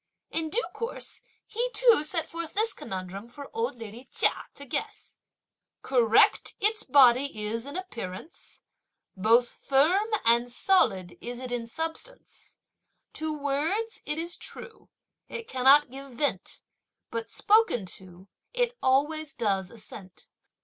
In due course he too set forth this conundrum for old lady Chia to guess: Correct its body is in appearance, Both firm and solid is it in substance; To words, it is true, it cannot give vent, But spoken to, it always does assent.